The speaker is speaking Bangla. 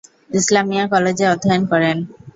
ইসলামিয়া কলেজে অধ্যয়ন করেন।